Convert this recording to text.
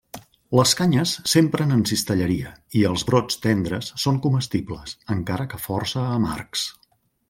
Les canyes s'empren en cistelleria, i els brots tendres són comestibles, encara que força amargs.